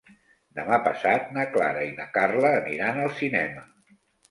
Demà passat na Clara i na Carla aniran al cinema.